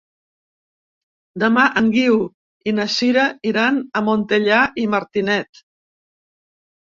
Demà en Guiu i na Sira iran a Montellà i Martinet.